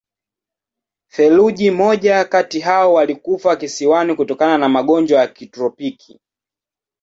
Theluji moja kati hao walikufa kisiwani kutokana na magonjwa ya kitropiki.